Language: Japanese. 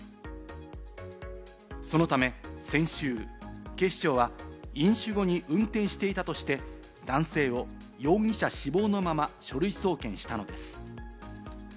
そのため先週、警視庁は飲酒後に運転していたとして、男性を容疑者死亡のまま書類送検したのです。